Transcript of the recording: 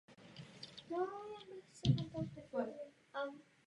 Obnovu tratě začal podporovat i Plzeňský kraj.